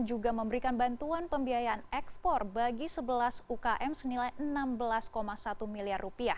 juga memberikan bantuan pembiayaan ekspor bagi sebelas ukm senilai rp enam belas satu miliar